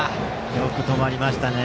よく止まりましたね。